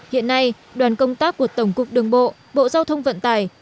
hiện nay đoàn công tác của tổng cục đường bộ bộ giao thông vận tải